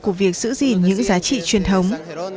của việc giữ gìn những giá trị truyền thống